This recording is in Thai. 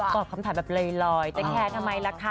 ตอบคำถามแบบลอยจะแคร์ทำไมล่ะคะ